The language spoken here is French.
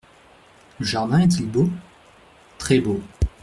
Le jardin est-il beau ? Très beau.